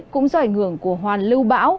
cũng do ảnh hưởng của hoàn lưu bão